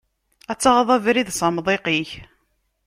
Ad taɣeḍ abrid s amḍiq-ik.